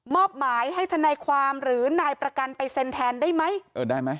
มอบหมายให้ทนายความหรือนายประกันไปเซ็นแทนได้ไหม